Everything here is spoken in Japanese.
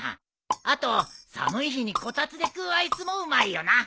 あと寒い日にこたつで食うアイスもうまいよな。